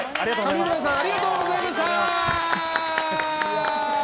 上村さんありがとうございました。